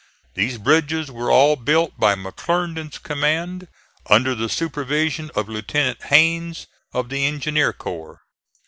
These bridges were all built by McClernand's command, under the supervision of Lieutenant Hains of the Engineer Corps.